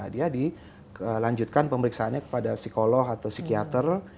dia dilanjutkan pemeriksaannya kepada psikolog atau psikiater